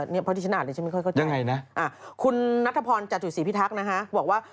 เพราะที่ฉันอ่านดิฉันไม่ค่อยเข้าใจนะคุณนัทพรจตุศรีพิทักษ์นะคะบอกว่า